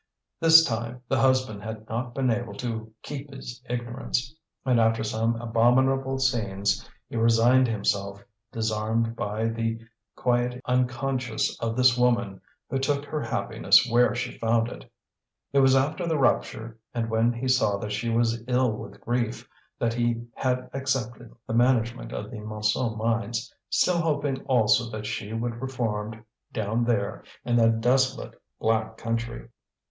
This time the husband had not been able to keep his ignorance, and after some abominable scenes he resigned himself, disarmed by the quiet unconsciousness of this woman who took her happiness where she found it. It was after the rupture, and when he saw that she was ill with grief, that he had accepted the management of the Montsou mines, still hoping also that she would reform down there in that desolate black country.